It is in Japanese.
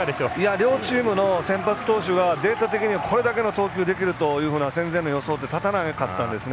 両チームの先発投手がこれだけの投球ができるって戦前の予想って立たなかったんですね。